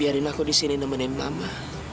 jadi ma aku di sini nemenin mama